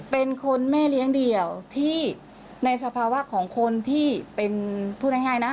เป็นคนแม่เลี้ยงเดี่ยวที่ในสภาวะของคนที่เป็นพูดง่ายนะ